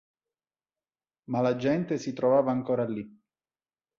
Ma la gente si trovava ancora lì.